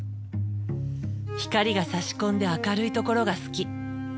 光がさし込んで明るいところが好き。